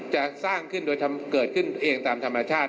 จะสร้างขึ้นโดยเกิดขึ้นเองตามธรรมชาติ